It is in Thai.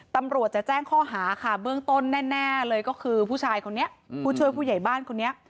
ตำรวจจะแจ้งข้อหาค่ะเบื้องต้นแน่เลยก็คือผู้ชายคนนี้ผู้ช่วยผู้ใหญ่บ้านคนนี้